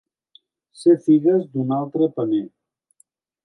Ser figues d'un altre paner.